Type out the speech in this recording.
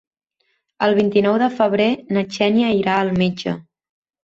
El vint-i-nou de febrer na Xènia irà al metge.